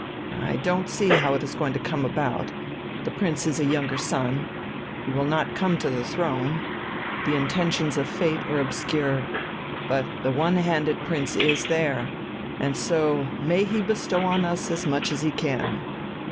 I don't see how it is going to come about the Prince is a younger son, he will not come to the throne, the intentions of fate are obscure. But the one handed prince is there and so may he bestow on us as much as he can."